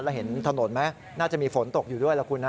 แล้วเห็นถนนไหมน่าจะมีฝนตกอยู่ด้วยล่ะคุณฮะ